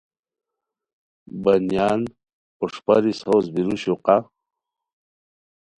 بنیان پوݰپاری ساؤز بیرو شوقہ